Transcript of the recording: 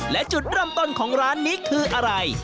และจุดเริ่มต้นของร้านนี้คืออะไร